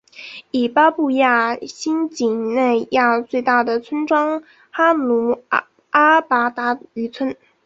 以及巴布亚新几内亚最大的村庄哈努阿巴达渔村。